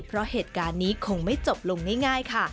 เพราะเหตุการณ์นี้คงไม่จบลงง่ายค่ะ